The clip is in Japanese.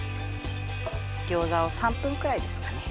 餃子を３分くらいですかね。